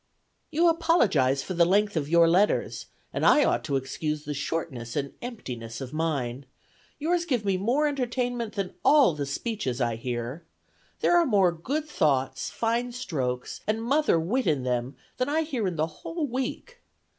"You apologize for the length of your letters, and I ought to excuse the shortness and emptiness of mine. Yours give me more entertainment than all the speeches I hear. There are more good thoughts, fine strokes, and mother wit in them than I hear in the whole week.